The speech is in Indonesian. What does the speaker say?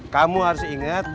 kamu harus inget